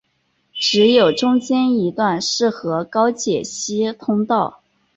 只有中间一段适合高解析通道。